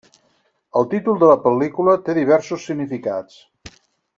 El títol de la pel·lícula té diversos significats.